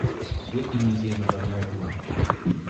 Whitney Museum of American Art.